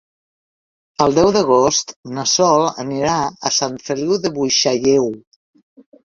El deu d'agost na Sol anirà a Sant Feliu de Buixalleu.